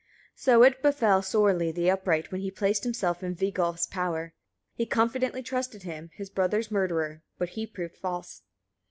20. So it befell Sorli the upright, when he placed himself in Vigolf's power; he confidently trusted him, his brother's murderer, but he proved false.